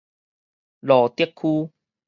蘆竹區